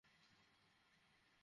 এবার বিদায় হোন!